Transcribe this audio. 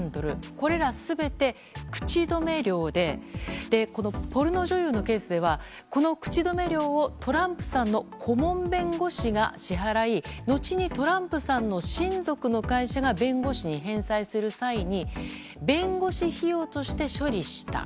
これら全て口止め料でポルノ女優のケースではこの口止め料をトランプさんの顧問弁護士が支払い後にトランプさんの親族の会社が弁護士に返済する際に弁護士費用として処理した。